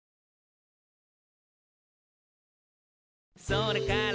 「それから」